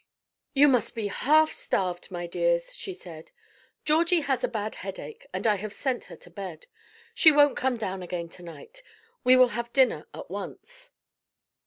"You must be half starved, my dears," she said. "Georgie has a bad headache, and I have sent her to bed. She won't come down again to night; we will have dinner at once."